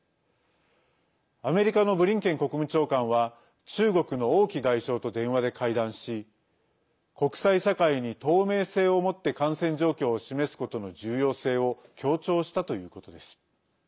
アメリカのブリンケン国務長官は中国の王毅外相と電話で会談し国際社会に透明性を持って感染状況を示すことの重要性を強調したということです。